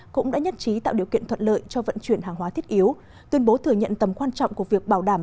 cũng đã nhất trí tạo điều kiện thuận lợi cho vận chuyển hàng hóa thiết yếu tuyên bố thừa nhận tầm quan trọng của việc bảo đảm